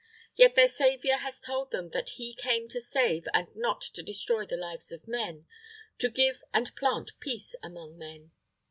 Yet their Saviour has told them that He came to save and not to destroy the lives of men, to give and plant peace among men.